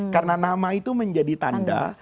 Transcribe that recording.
karena nama itu menjadi tanda